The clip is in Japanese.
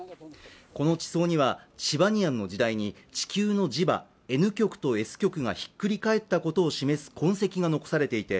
この地層には、チバニアンの時代に地球の磁場、Ｎ極とＳ極がひっくり返ったことを示す痕跡が残されていて